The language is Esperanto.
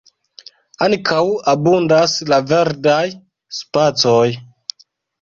Ankaŭ abundas la verdaj spacoj.